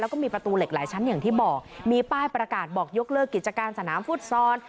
แล้วก็มีประตูเหล็กหลายชั้นอย่างที่บอกมีป้ายประกาศบอกยกเลิกกิจการสนามฟุตซอล